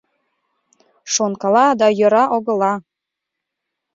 Шонкала да йӧра огыла.